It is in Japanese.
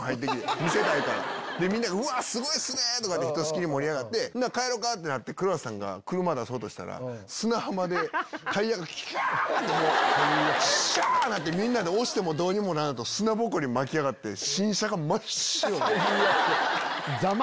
みんな「すごいっすね」ってひとしきり盛り上がって帰ろうか！ってなって黒田さんが車出そうとしたら砂浜でタイヤがシャ！ってなってみんなで押してもどうにもならんと砂ぼこり巻き上がって新車が真っ白に。